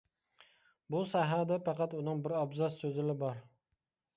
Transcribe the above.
بۇ ساھەدە پەقەت ئۇنىڭ بىر ئابزاس سۆزىلا بار.